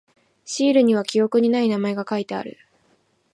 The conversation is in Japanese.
シールには記憶にない名前が書いてある。